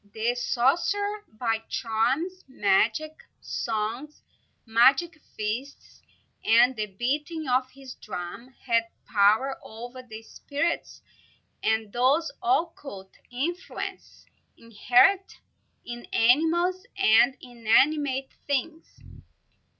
The sorcerer, by charms, magic songs, magic feasts, and the beating of his drum, had power over the spirits and those occult influences inherent in animals and inanimate things.